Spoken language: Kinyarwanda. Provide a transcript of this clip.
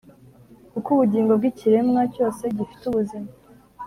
Kuko ubugingo bw ikiremwa cyose gifite ubuzima